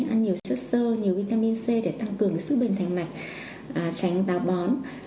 ăn nhiều chất sơ nhiều vitamin c để tăng cường sức bền thành mạch tránh đá bón